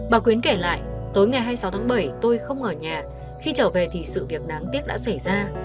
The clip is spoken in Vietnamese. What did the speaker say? bà quyến kể lại tối ngày hai mươi sáu tháng bảy tôi không ở nhà khi trở về thì sự việc đáng tiếc đã xảy ra